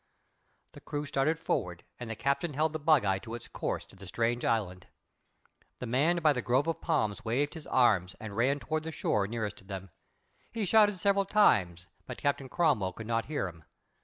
The crew started forward and the Captain held the bugeye to its course to the strange island. The man by the grove of palms waved his arms and ran toward the shore nearest to them. He shouted several times, but Captain Cromwell could not hear him.